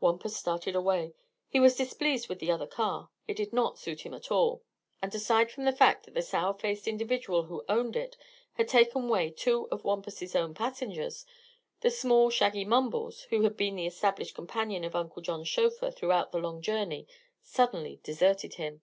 Wampus started away. He was displeased with the other car. It did not suit him at all. And aside from the fact that the sour faced individual who owned it had taken away two of Wampus' own passengers, the small shaggy Mumbles, who had been the established companion of Uncle John's chauffeur throughout all the long journey, suddenly deserted him.